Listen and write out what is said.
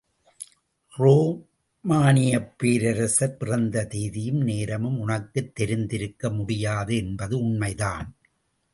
ரோமானியப் பேரரசர் பிறந்த தேதியும் நேரமும் உனக்குத் தெரிந்திருக்க முடியாது என்பது உண்மைதான்!